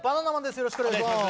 よろしくお願いします。